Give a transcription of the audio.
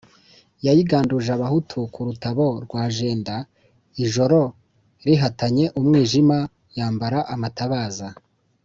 yayiganduje abahutu ku Rutabo rwa jenda, ijoro litahanye umwijima yambara amatabaza